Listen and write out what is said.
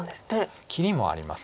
切りもあります。